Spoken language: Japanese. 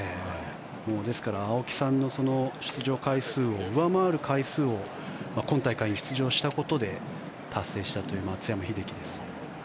ですから青木さんの出場回数を上回る回数を今大会、出場したことで達成したという松山英樹です。